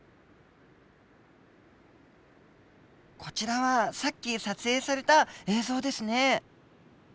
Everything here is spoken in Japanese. こちらはさっき撮影された映像ですね。